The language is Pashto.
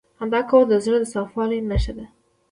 • خندا کول د زړه د صفا والي نښه ده.